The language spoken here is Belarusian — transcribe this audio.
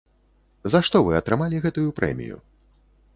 За што вы атрымалі гэтую прэмію?